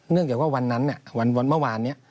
เนื่องจากว่าวันนั้นแหละวันเมื่อวานนี้